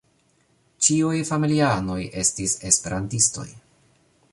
Ĉiuj familianoj estis Esperantistoj.